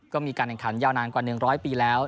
ก็มีการแข่งขันยาวนานกว่า๑๐๐ปีแล้ว